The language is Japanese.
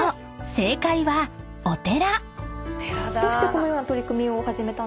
正解はお寺］